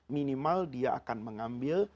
minimal dia akan mengambil